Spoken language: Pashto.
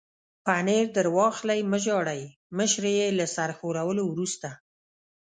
پنیر در واخلئ، مه ژاړئ، مشرې یې له سر ښورولو وروسته.